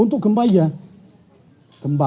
untuk nyampe kemanian raman